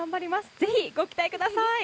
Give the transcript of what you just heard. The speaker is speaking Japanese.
ぜひご期待ください。